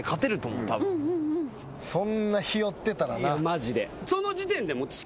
そんなひよってたらな。